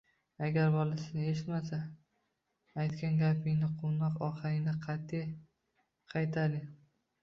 Agar bola sizni “eshitmasa”, aytgan gapingizni quvnoq ohangda qat’iy qaytaring.